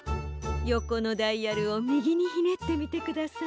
よこのダイヤルをみぎにひねってみてください。